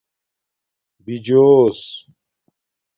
بِجوس